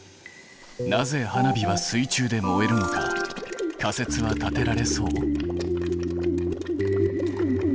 なぜ花火は水中で燃えるのか仮説は立てられそう？